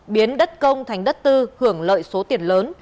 biến đất công thành đất tư hưởng lợi số tiền lớn